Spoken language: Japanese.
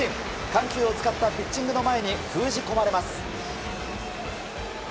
緩急を使ったピッチングの前に封じ込まれます。